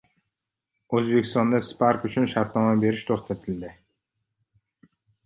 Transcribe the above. O‘zbekistonda Spark uchun shartnoma berish to‘xtatildi